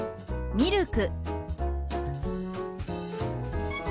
「ミルク」。